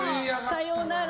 さようなら。